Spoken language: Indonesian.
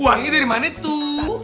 uangnya dari mana tuh